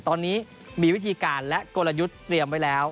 ตอนนี้มีวิธีการและกลยุทธ์เตรียมไว้แล้ว